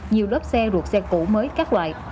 nhiều lớp xe ruột xe cũ mới cắt loại